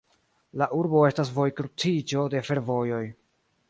La urbo estas vojkruciĝo de fervojoj.